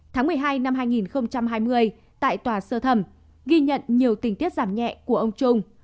tháng một mươi hai năm hai nghìn hai mươi tại tòa sơ thẩm ghi nhận nhiều tình tiết giảm nhẹ của ông trung